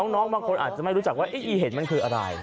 น้องบางคนอาจจะไม่รู้จักว่าอีเห็นมันคืออะไร